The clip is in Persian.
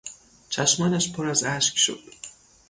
چشمانش پر از اشک شد.